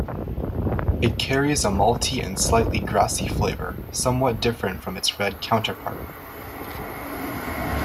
It carries a malty and slightly grassy flavour somewhat different from its red counterpart.